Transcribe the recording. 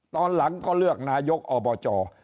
ตอนหลังก็เลือกนายกอบจ